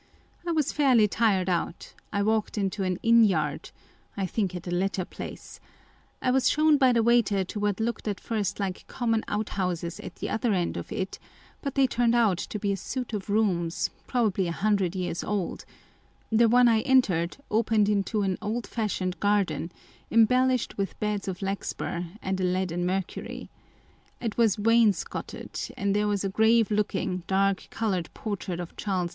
I was fairly tired out ; I walked into an inn yard (I think at the latter place) ; I was shown by the waiter to what looked at first like common out â– houses at the other end of it, but they turned out to be a suite of rooms, probably a hundred years old â€" the one I entered opened into an oldfashioned garden, embellished with beds of larkspur and a leaden Mercury; it was wain scoted, and there was a grave looking, dark coloured por trait of Charles II.